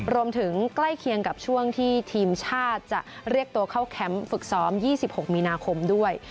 ใกล้เคียงกับช่วงที่ทีมชาติจะเรียกตัวเข้าแคมป์ฝึกซ้อม๒๖มีนาคมด้วย